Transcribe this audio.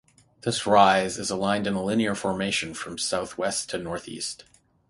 This rise is aligned in a linear formation from southwest to northeast.